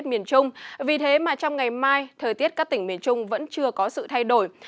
thời tiết các tỉnh miền trung vẫn chưa có sự thay đổi